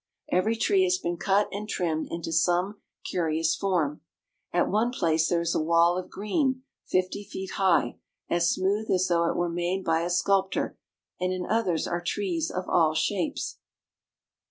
Every tree has been cut and trimmed into some curious form. At one place there is a wall of green r fifty feet high, as smooth as though it were made by a sculptor, and in others are trees of all shapes.